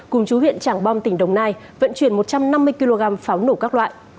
cùng chú huyện trảng bom tỉnh đồng nai vận chuyển một trăm năm mươi kg pháo nổ các loại